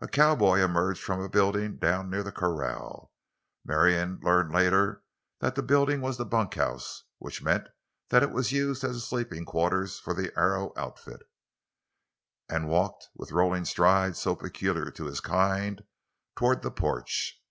A cowboy emerged from a building down near the corral—Marion learned later that the building was the bunkhouse, which meant that it was used as sleeping quarters for the Arrow outfit—and walked, with the rolling stride so peculiar to his kind, toward the porch.